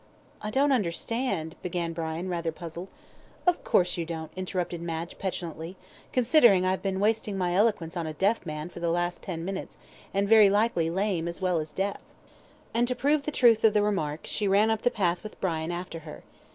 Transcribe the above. "I don't understand " began Brian, rather puzzled. "Of course you don't," interrupted Madge, petulantly; "considering I've been wasting my eloquence on a deaf man for the last ten minutes; and very likely lame as well as deaf." And to prove the truth of the remark, she ran up the path with Brian after her.